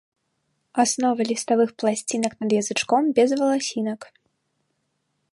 Аснова ліставых пласцінак над язычком без валасінак.